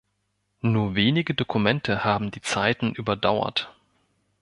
Nur wenige Dokumente haben die Zeiten überdauert.